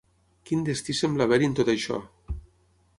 Quin destí sembla haver-hi en tot això!